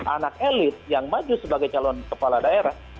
anak elit yang maju sebagai calon kepala daerah